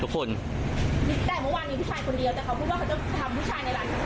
แต่เมื่อวานมีผู้ชายคนเดียวแต่เขาพูดว่าเขาจะทำผู้ชายในร้านเขา